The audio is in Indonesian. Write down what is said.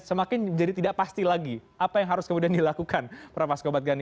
semakin jadi tidak pasti lagi apa yang harus kemudian dilakukan prof asko badgani